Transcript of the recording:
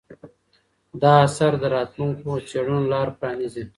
دا اثر د راتلونکو څېړنو لار پرانیزي.